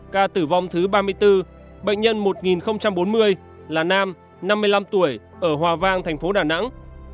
ca tử vong thứ ba mươi bốn bệnh nhân một nghìn bốn mươi là nam năm mươi năm tuổi ở hòa vang thành phố đà nẵng